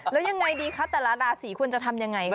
แล้วยังไงดีคะแต่ละราศีควรจะทำยังไงคะ